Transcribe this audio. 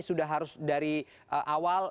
sudah harus dari awal